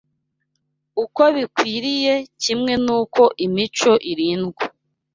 uko bikwiriye kimwe n’uko imico irindwa